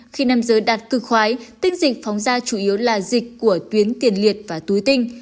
khi nam giới đạt cực khói tinh dịch phóng ra chủ yếu là dịch của tuyến tiền liệt và túi tinh